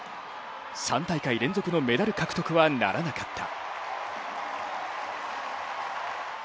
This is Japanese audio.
３大会連続のメダル獲得はならなかった。